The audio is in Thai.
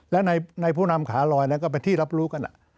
และในผู้นำขาลอยก็เป็นที่รับรู้กัน